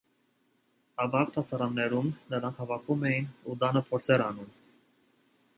Ավագ դասարաններում նրանք հավաքվում էին ու տանը փորձեր անում։